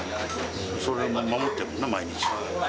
それを守ってるな、毎日。